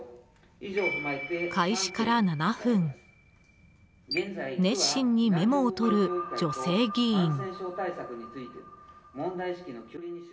開始から７分熱心にメモをとる女性議員。